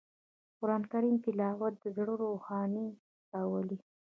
قرآن کریم تلاوت د زړه روښنايي راولي